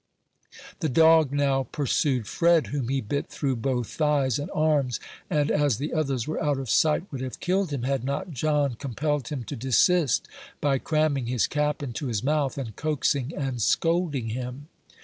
The dog now pursued Fred, whom he bit through both thighs and arms, and, as the others were out of sight, would have killed him, had not John compelled him to desist by cramming his cap into his mouth, and coaxing and scolding him.